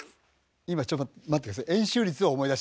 今ちょっと待って下さい。